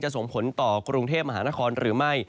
ส่งผลต่อกรุงเทพมหานครหรือไม่